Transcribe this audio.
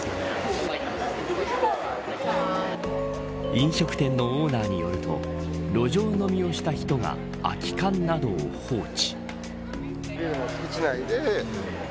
飲食店のオーナーによると路上飲みをした人が空き缶などを放置。